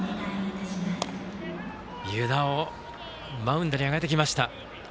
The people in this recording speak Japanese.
湯田をマウンドに上げてきました。